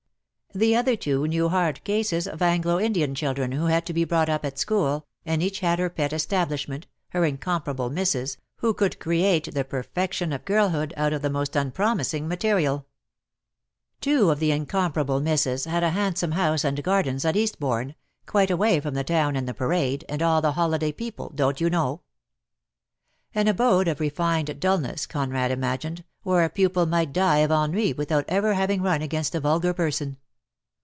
The other two knew hard cases of Anglo Indian children who had to be brought up at school, and each had her pet establishment, her incom parable Misses, who could create the perfection of girlhood out of the most unpromising material. 76.' DEAD LOVE HAS CHAINS. Two of the incomparable Misses had a hand some house and gardens at Eastbourne, "quite away from the town and the Parade, and all the holiday people, don't you know?" An abode of refined dulness, Conrad imagined, where a pupil might die of ennui without ever having run against a vulgar person.